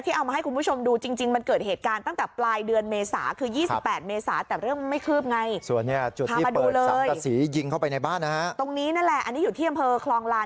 ที่เอามาให้คุณผู้ชมดูจริงมันเกิดเหตุการณ์